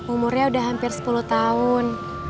umurnya udah hampir sepuluh tahun